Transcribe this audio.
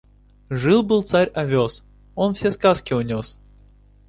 Жил-был царь овес, он все сказки унес.